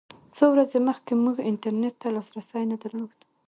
څو ورځې مخکې موږ انټرنېټ ته لاسرسی نه درلود.